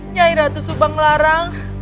nyai ratu subang larang